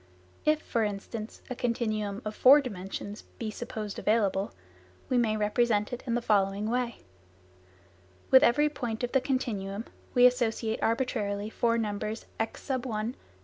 If, for instance, a continuum of four dimensions be supposed available, we may represent it in the following way. With every point of the continuum, we associate arbitrarily four numbers, x, x, x, x, which are known as " co ordinates."